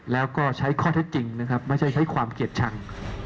แล้วก็ใช้ข้อเท็จจริงนะครับไม่ใช่ใช้ความเกลียดชัง